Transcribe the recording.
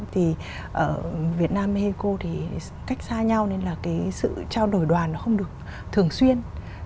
thì việt nam mexico thì cách xa nhau nên là cái sự trao đổi đoàn nó không được thường xuyên